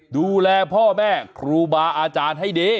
ดูแลพ่อแม่ครูบาอาจารย์ให้ดี